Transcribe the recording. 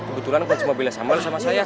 kebetulan bantu mobilnya sambil sama saya